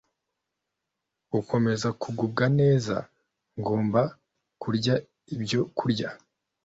ukomeze kugubwa neza Ngomba kurya ibyokurya